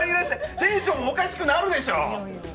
テンションもおかしくなるでしょう！